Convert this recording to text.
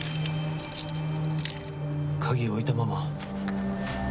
鍵置いたまま。